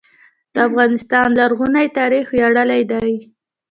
د افغانستان لرغونی تاریخ ویاړلی دی